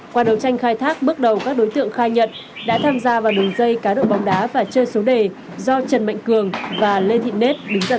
qua đấu tranh khai thác bước đầu các đối tượng khai nhận đã tham gia vào đường dây cá đội bóng đá và chơi số đề do trần mạnh cường và lê thị nết đứng ra tổ chức